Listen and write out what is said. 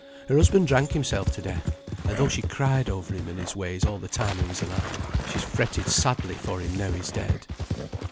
Her husband drank himself to death, and though she cried over him and his ways all the time he was alive, she's fretted sadly for him now he's dead."